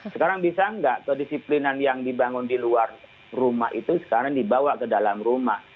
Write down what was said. sekarang bisa nggak kedisiplinan yang dibangun di luar rumah itu sekarang dibawa ke dalam rumah